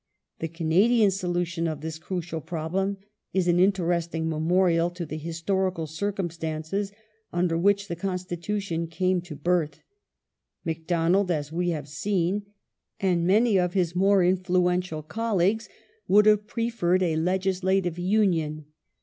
The Canadian solution of this crucial problem is an interesting memorial to the historical cir cumstances under which the Constitution came to birth. Mac donald, as we have seen, and many of his more influential colleagues would have preferred a legislative union.